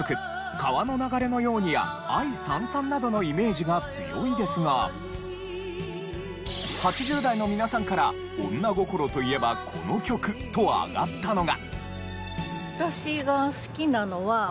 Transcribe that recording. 『川の流れのように』や『愛燦燦』などのイメージが強いですが８０代の皆さんから女心といえばこの曲と挙がったのが。